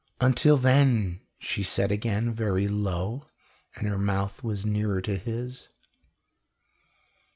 "Until then " she said again, very low, and her mouth was nearer to his.